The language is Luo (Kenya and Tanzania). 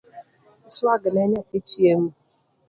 Swagne nyathi chiemo